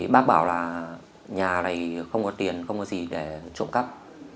bác bảo là nhà này không có tiền không có gì để trộm cắp